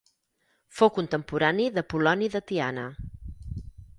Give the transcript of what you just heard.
Fou contemporani d'Apol·loni de Tiana.